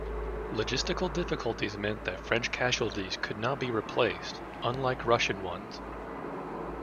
Logistical difficulties meant that French casualties could not be replaced, unlike Russian ones.